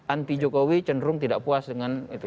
anti jokowi cenderung tidak puas dengan itu